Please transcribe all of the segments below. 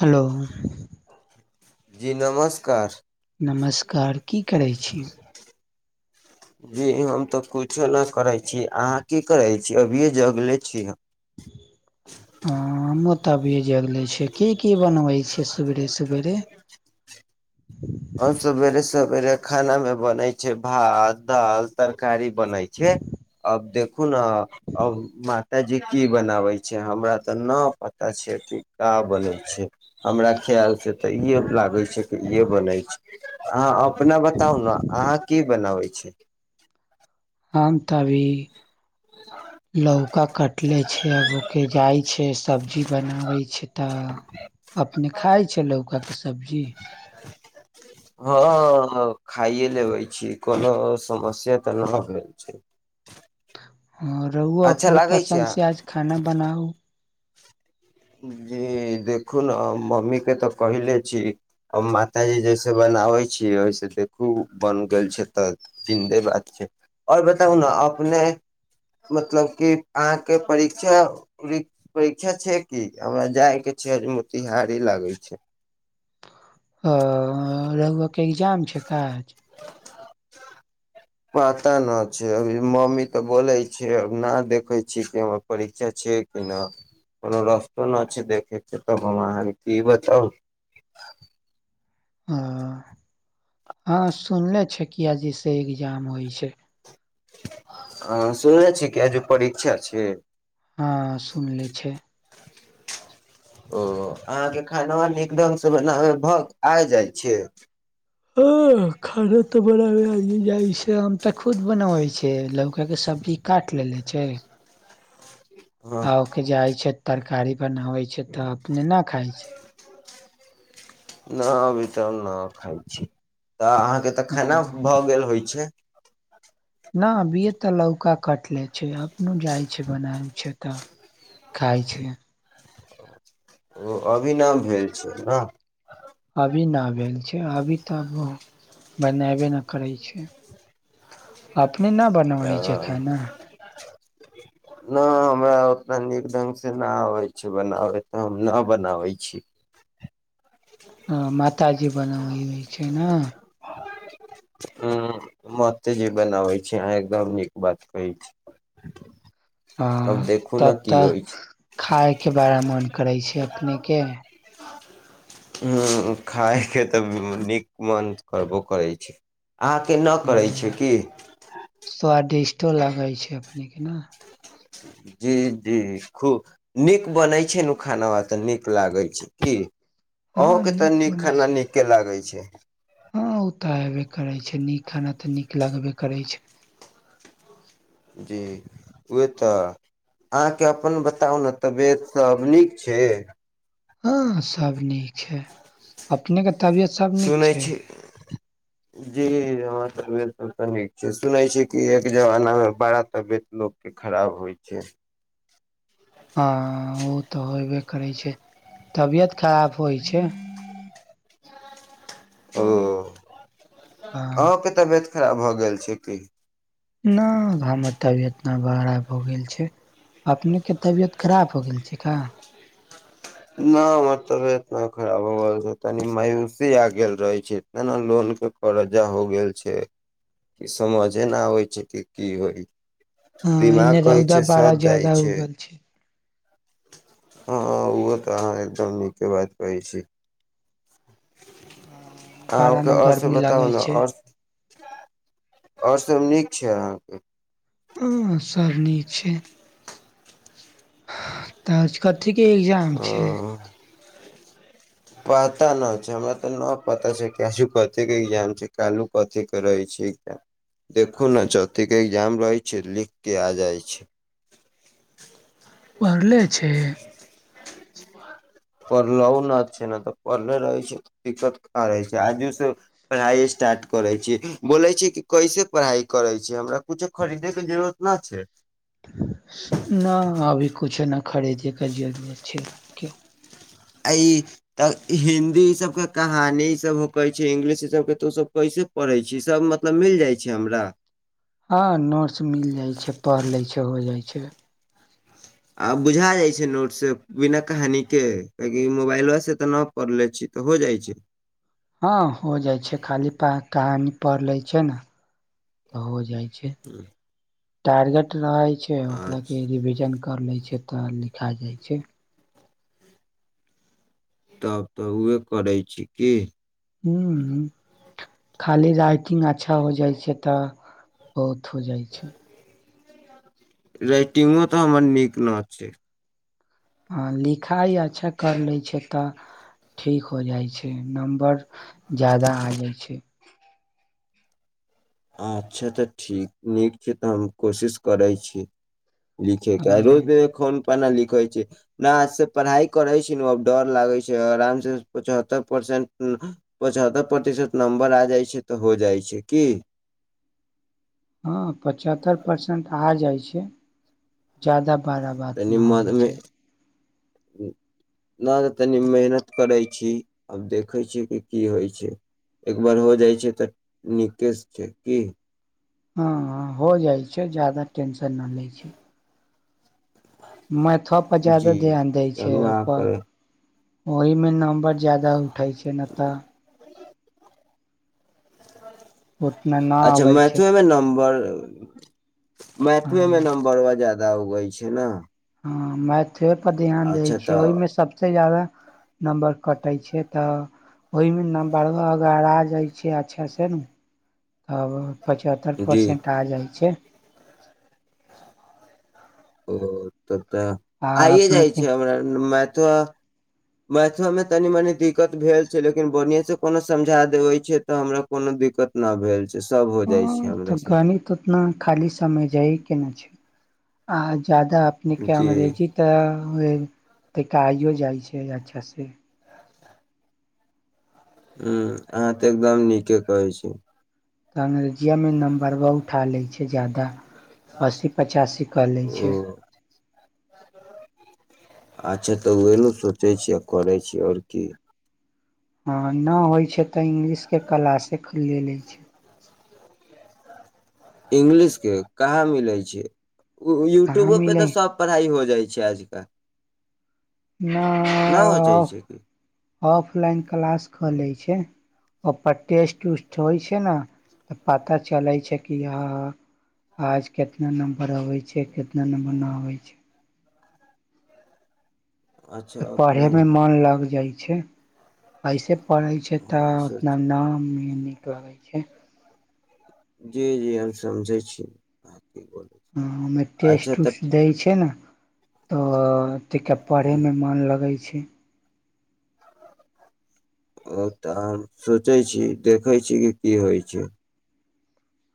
Hello जी नमस्कार नमस्कार की करैत छी? [inaudible] जी हम तऽ कुछो नहि करै छी अहाँ की करै छी अभीे जगले छी हम। भिय जगले छैयू की की बनबै छी सूबेरे सूबेरे? आऔर सवेरे सवेरे खाना मे बनै छैय भात दाल तरकारी बनय छैय अब देख देखु ने मातााजी की बनावे छैय हमरा ते न पता छैय। बन छैय हमरा खयाल से त इे लागे छैय कि इे बना छैय। अहाँ अपना बताउ ने अहाँ की बनाबै छियय? हम तो आभी लौका कट ले छै आब ओके जाइ छैय सब्जी बनाबै छैय तऽ अपने खाइ छैय लौके सब्जी? हँ खाायए लेबै छी कोनो समस्या तऽ नहि भेल छैय। ह रहु अपने लागै छै पसन्द अहाँ से आज खाना बनाउ। जी देखु ने मम्मी के तऽ कहिले च मात जी जैसे ब बना छी ओस देखू बन गेल छै तऽ जिन्दे बात छै आओर बताउ ने अपने मतलब क अहाँके परीक्षा परीक्षा छै क हमरा जाय के छै नौतीहारि लागल छै अ रउआ एग्जाम छै काज पता नहि छै अभी मम्मी तऽ बोले छै न देखे छिय कि हमर परीक्षा छै कि नहि कोनो रस्तो नहि छै देखे के तऽ हम अहाँके क बताउ हँ आ हँ सुनले छ किया जैस एग्जाम होइ छै ह सुने छी कि आज परीक्षा छै सुनले छै हँ ओ अहाँके खाना नीक ढङ्गसँ बनाबै भ आब जाइ छै ह खाना तऽ बनाबै आ जाइ छै आम तऽ खुद बनाबै छै लौका के सबजी काट लेले छै हँ आ ओके जाइ छै तरकारी बनाबै छै तऽ अपने ने न भतर न खााय छी तऽ अहाँके तऽ खेना भऽ गेल होइ छै न अबीए तऽ लौका कटले छै अपनो जाइ छै बनाय छै तऽ खाइ छै ओ अभी न भेल छै न अभी न भेल छै अभी तऽब बनेबे नहि करै छै अपने न बनावइ छै खाना [inaudible] नहि हमरा उतना नीक ढङ्गसँ नहि आबै छै बनाबै तऽ हम नहि बनाबै छी बनाबइले छै न ह्म मतेजी बनाबै छी अहाँ एकदम नीक बात कहै छी अब हँ देखू न तब की तऽ होइ छै खायके बड़ा मन करै छै अपने के हुँ खायके तऽ नीक मन करबो करै छै अहाँके नहि करै छै की तो लागै छै अपने के न जी जी खूब नीक बनै छै नु खानवा तऽ नीक लागै छै की हँ अहोके तऽ नीक बनै छै खाना नीके लागैत छै हँ ओ तऽ हबै करै छै नीक खाना तऽ नीक लगबे करैय छै जी उहे तऽ अहाँके अपन बताउ न तबियत सब नीक छै हँ सब नीक छै अपने के तबियत सब नीक सुनै छै छी [inaudible] जी हमर तबियत सब तऽ नीक छै सुनै छी कि एक जमाना में बड़ा तबियत लोक के खराब होइ छै हँ ओ तऽ होइ करै छै तबियत खराब होइ छै ओ हँ अहोंके तबियत खराब भऽ गेल छै की न हमर तबियतना बरा भ गेल छै अपनेके तबियत खराब हो गेल छै का न हमर तबियत नहि खराब होबै छै तनी मायूसी आग गेल रहै छै त न लो के कर्जा हो गेल छै कि समझे नहि आबे छै कि की होइ हँ एने दिमाग कहै रौदा छै बड़ा साथ ज्यादा जाइ छै उगल हँ ओहो तऽ अहाँ एकदम नीके बात कहै छी हँ ओ बड़ा ने ओरसब गर्मी बताओ लगै न छै आओर और सभ नीक छै अहाँके हँ सब नीक छै तऽ आज कथी के एग्जाम छै ओ पता न छै हमरा तऽ न पता छै क आजु कथी के एग्जाम छै कालू कथी के रहै छै ठीक हइ देखू ने चौथीके एग्जाम रहैय छै लिख के आ जाइत छै पढ़ले छै पढ़लउ न त छै न तऽ पढ़ने रहै छै त दिक्कत कहा रहै छै आजू से पढ़ाइ स्टार्ट करै छी बोलै छै कि कैसे पढ़ाइ करै छै हमरा कुछो खरीदे के जरूरत न छै न अभी कुछु न खरीदे के जरूरत छै कि आ इ त हिन्दी इ सब के कहानी इ सब कहै छै इंगलिश ई सब के तो ओ सब पढ़ै छै सब मतलब मिल जाइ छै हमरा हँ नोटस मिल जाइ छै पढ़ लै छै हो जाइ छै आ बुझा जाय छै नोट से बिना कहानी के ककि मोबाइलवा से तऽ न पढ़ले छी तऽ हो जाइ छै हँ हो जाइ छै खाली पा कहानी पढ़ ले छै न तऽ हो जाइ छै ह्म टारगेट रहै छै ओकराके रिविजन कर लै छै तऽ लिखा जाइ छै तब तऽ उहे करैय छी की हूँ हूँ खाली राइटिंग अच्छा हो जाई छै तऽ बहुत हो जाई छै रइटंगो तऽ हमर नीक न छै हाँ लिखाई अच्छा कर लै छै तऽ ठीक हो जाइ छै नंबर ज्यादा आ जाइ छै अच्छा तऽ ठीक नीक छै तऽ हम कोशिश करैय छी हँ [unintelligible] से पढ़ाई करै छै डर लागै छै आराम से पचत्तर परसेंट पचहत्तर प्रतिशत नंबर आ जाइ छै तऽ हो जाइ छै की हाँ पचहत्तर परसेंट आ जाइ छै ज्यादा बड़ा बात ना होइ मन मे छै ह्म नहि त तनि मेहनत करैत छी आब देखैत छी कि की होइत छै एकबार हो जाइ छै तऽ नीकेस फेर की हाँ हाँ हो जाइ छै ज्यादा टेंशन नहि लै छै मेथ पर ज्यदा जी ध्यान दै छै चलू अहाँ ओ पर ओहिमे नम्बर ज्यादा उठै छै नहि तऽ उतना न अच्छा अबै छै मैथू मे नम्बर हँ मैथिलीमे नम्बर जादा उगै छै ना हाँ मैथिले पर ध्यान देय छिय ओहिमे तऽ सबस ज्यादा नम्बर कटैय छै तऽ ओहिमे न बरह अगर आ जाइ छै अच्छासँ ने तब पचहत्तर जी परसेंट आ जाइ छै ओ तब तऽ आ आइए अपने जाइ छै के हमरा मैथो मैथोमे तनी मनी दिक्कत भेल छै लेकिन बढ़िआसे कोनो समझा देबै छै तऽ हमरा कोनो दिक्कत न भेल छै सब हो जाइ छै हँ हमरा तऽ से घनी तना खाली समय जाइ कि नहि छै आ ज्यादा अपने के जी अंग्रेजी त तऽ क आइयो जाइ छै अच्छासे ह्म अहाँ तऽ एकदम नीके कहै छी तऽ अंग्रेजियमे नम्बर व उठा लैत छै ज्यादा अस्सी पचासी क लै ओ छै अच्छा तऽ ओएहल सोचै छी आ करैय छीयै आओर की हाँ ना होइ छै तऽ इंग्लिशके क्लासे खले लै छै इंगलिश के कहाँ मिले छै कहाँ यूट्यूबो पे मिले तऽ सब पढ़ाई होइ जाइ छै आजकल न हो जाइ छै की ऑफलाइन क्लास खोलेय छै ओपर टेस्ट उस्ट होइ छै ने तऽ पता चलै छै कि आ आज कितना नम्बर अबै छै कितना नम्बर नहि अबै छै अच्छा तऽ पढ़े मे ऑफलाइन मन लग जाइ छै ऐसे पढ़ै छै तऽ हँ ओतना नाम मे नीक लगैय छै जी जी हम समझै छी बोल हमे अच्छा टेस्ट तऽ उस्ट दैय छै न तऽ त पढ़यमे मन लगैय छै ओ तऽ हम सोचै छी देखैत छी की होइ छै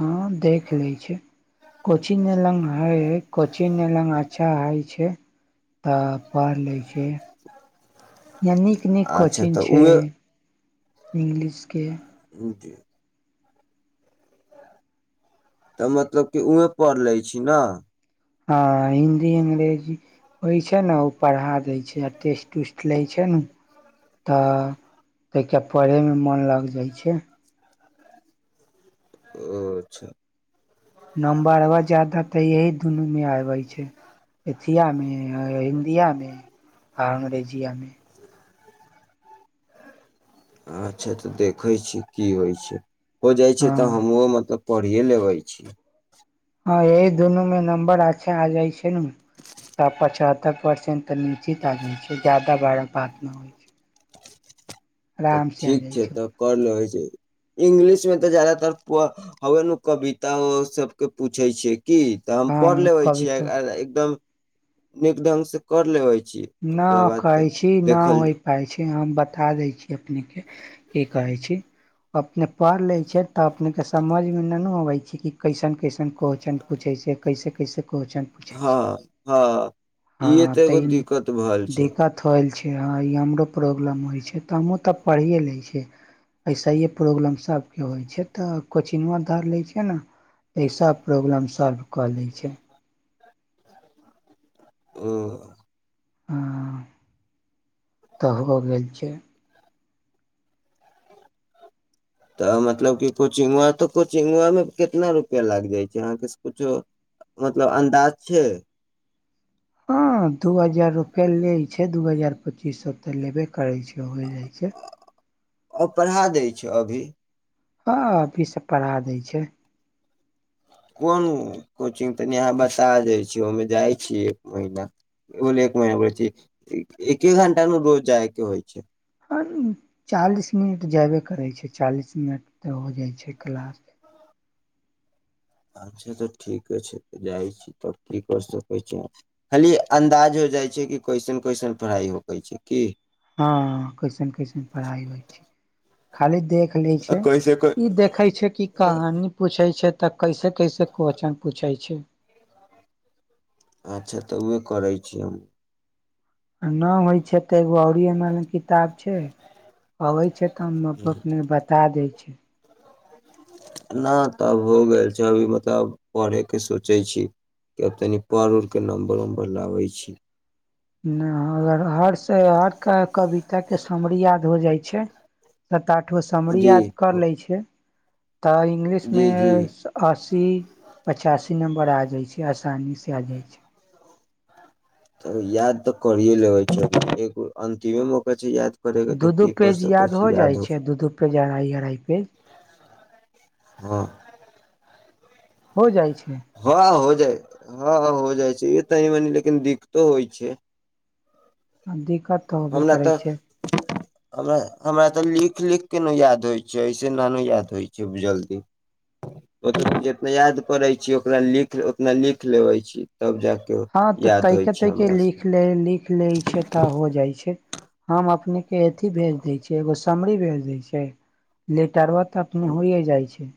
हाँ देख लै छै कोची लंग हइ कोची लंग अच्छा हइ छै तऽ पढ़ लिख छै या नीक नीक अच्छा कोचिंग तऽ छै उहे इंग्लिशके जे तऽ मतलब कि उहैं पढ़ लए छी न ह हिन्दी अंग्रेजी होइ छै न ओ पढ़ा देे छै आ टेस्ट उस्ट लए छै तऽ क पढ़य मे मोन लाग जाइ छै ओ अच्छा नम्बरबा ज्यादा तऽ यही दुनू मे आबै छै इथियामे अहिन्दियामे आ अंग्रेजियामे अच्छा तऽ देखै छीयै की होइ छै हो जाइ छै हँ तऽ हमहुँ मतलब पढ़िये लेबई छी हँ एह दुनोमे नंबर अच्छा आ जाइ छै न तब पचहत्तर परसेंट तऽ निश्चित आ जाइ छै ज्यादा बड़ा बात न होइ छै तऽ आराम से आ ठीक जाइ छै तऽ क लेबै इंगलिश में तऽ जादातर ह उन कविता सबके पूछे छै की तऽ हम हँ पढ़ लेवे कभी छीय तो अएकदम एकदम से कर लेवई न कहै छी न होय पाइ छै हम बत था दै छी अपनेके की कहैछी अपने पढ़ ले छिय तऽ अपने के समझ मे न न अबे छै कि कइसन कइसन क्वेश्चन पुछे कैसे कैसे कैसे क्वेश्चन पूछेय हँ छै हँ इहे तऽ एगो दिक्कत भेल छै दिक्कत होल छै हँ ई हमरो प्रॉब्लम होइ छै तऽ हमहूँ तऽ पढ़िए लै छिय अइसहीए प्रॉब्लम सभके होइ छै तऽ कोचिंगवा धर लए छै ने एसब प्रॉब्लम सॉल्व कऽ लै छै ओ हँ तऽ हो गेल छै तऽ मतलब कि कोचिंगुआ तऽ कोचिंगुआमे कितना रुपैआ लाग जाइ छै अहाँके सकुछो मतलब अन्दाज छै हा दू हजार रुपआ लै छै दू हजार पच्चीस सए तऽ लेबे करई छै होइ जाइ छै ओ पढ़ा दै छै अभी हँ अभी स पढ़ा दय छै कोन कोचिंग तनि हाम् बसादइ छी ओहिमे जाइ छी एक महीना ओ म में छी एके घण्टा न रोज जाएके होइ छै आ चालिस मिनट जेबे करै छै चालिस मिनट तऽ हो जाइ छै क्लास [inaudible] अच्छा तऽ ठीके छै जाइ छी त की क सकै छी खाली अन्दाज हो जाइ छै कि कइसन कइसन पढ़ाइ होएई छै की हँ कसन कसन पढ़ाइ होइ छै खाली देख देख ले आ छै कैसे कै ई देखै छै कि कहानी पूछै छै तऽ कैसे कैसे क्वेश्चन पूछै छै अच्छा तऽ उहे करै छी हम न होइ छै तऽ एगो औरई हमरा लंग किताब छै अबै छै त हम् अपअपने बता दै छै ना तब हो गेल छै अभी मतलब पढ़यके सोचै छी कि अब तनि पढ उरके नम्बर उम्बर लाबै छी न अगर हरस् हर कविता के समरी याद हो जाइ छै सात आठ गो समरी जी याद कर लै छै तऽ इंगलिश मे जी जी अस्सी पचासी नमबे आ जाइ छै आसानी से आ जाइ छै त याद तऽ करीए लेबै छै एगो अन्तिमे मौका छै याद करे के तऽ दू दू की कर पेज सकै याद छी हो जाइ छै दू दू पेज अढ़ाई अढ़ाई पेज हँ हो जाइ छै हँ हो जाइ हँ हँ हो जाइ छै ई तनी मनि लेकिन दिक्कतो होइ छै आ दिक्कत तऽ होबे हमरा करै तऽ छै हमरा हमरा तऽ लिख लिख के न याद होइ छै ऐसे न न याद होइ छै जल्दी ओ जितना याद परै छै ओकरा लिख उतना लिख लेबै छी तब जाके हँ तऽ याद होइ त‌इका छै तैके हमरा से लिख लै लिख लै छै तऽ हो जाइ छै हम अपने के अथी भेज दै छिय एगो समरी भेज दै छिय लेटर तऽ अपने होइए जाइ छै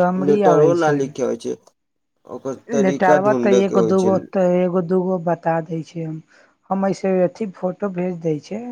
समरी आबै लेटरो छै न लिखे होइ छै ओकर तरीका लेटरबा त ढूँढे के एगो होइ दुगो छै त ए दूगो बता दै छी हम हम अइसे अथी फोटो भेज दै छै